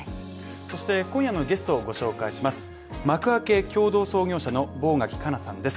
そして、今夜のゲストをご紹介します